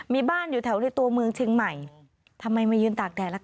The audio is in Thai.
มีบ้านอยู่แถวในตัวเมืองเชียงใหม่ทำไมมายืนตากแดดล่ะค